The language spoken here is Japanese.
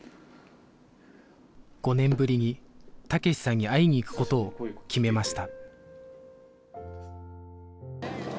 ５年ぶりに武志さんに会いに行くことを決めました